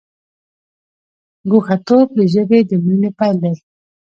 ګوښه توب د ژبې د مړینې پیل دی.